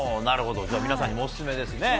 皆さんにもオススメですね。